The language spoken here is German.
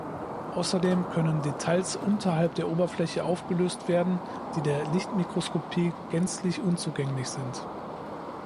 Außerdem können Details unterhalb der Oberfläche aufgelöst werden, die der Lichtmikroskopie gänzlich unzugänglich sind.